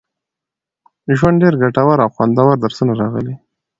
ژوند، ډېر ګټور او خوندور درسونه راغلي